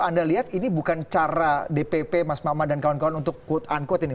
anda lihat ini bukan cara dpp mas mama dan kawan kawan untuk quote unquote ini